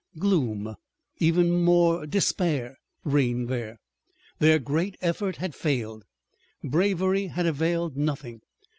Gloom, even more, despair, reigned there. Their great effort had failed. Bravery had availed nothing.